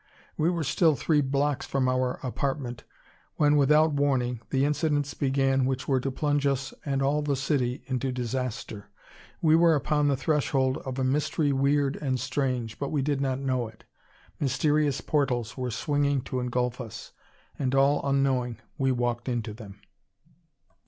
We were still three blocks from our apartment when without warning the incidents began which were to plunge us and all the city into disaster. We were upon the threshold of a mystery weird and strange, but we did not know it. Mysterious portals were swinging to engulf us. And all unknowing, we walked into them.